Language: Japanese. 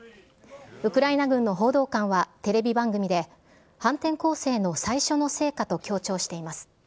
ウクライナ軍の報道官はテレビ番組で、反転攻勢の最初の成果と強調しています。